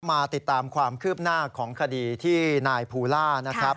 มาติดตามความคืบหน้าของคดีที่นายภูล่านะครับ